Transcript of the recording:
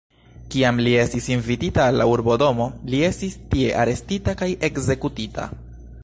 Kiam li estis invitita al la urbodomo, li estis tie arestita kaj ekzekutita.